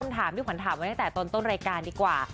คุณถามคุณผลาฟถามตอนรายการดีกว่า